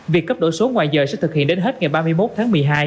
việc cấp đổi số ngoài giờ sẽ thực hiện đến hết ngày ba mươi một tháng một mươi hai